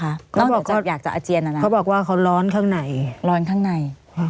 เขาบอกว่าเขาอยากจะอเจียนอ่ะน่ะเขาบอกว่าเขาร้อนข้างในร้อนข้างใน